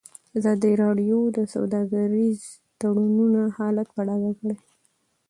ازادي راډیو د سوداګریز تړونونه حالت په ډاګه کړی.